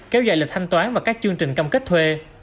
kéo dài lịch thanh toán và các chương trình cam kết thuê